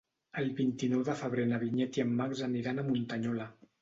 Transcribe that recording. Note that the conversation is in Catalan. El vint-i-nou de febrer na Vinyet i en Max aniran a Muntanyola.